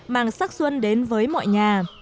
mang sắc xuân đến